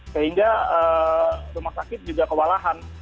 sehingga rumah sakit juga kewalahan